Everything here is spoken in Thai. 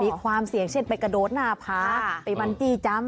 มีความเสี่ยงเช่นไปกระโดดหน้าผาไปมันจี้จำ